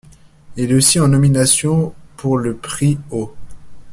Il est aussi en nomination pour le prix ' au '.